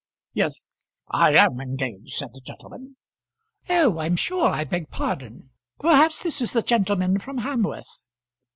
"Yes, I am engaged," said the gentleman. "Oh, I'm sure I beg pardon. Perhaps this is the gentleman from Hamworth?"